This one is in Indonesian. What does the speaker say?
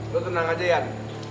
lo tenang aja yan